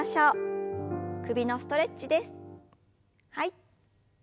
はい。